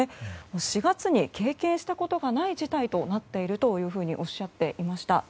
４月に経験したことがない事態になっているとおっしゃっていました。